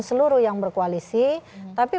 seluruh yang berkoalisi tapi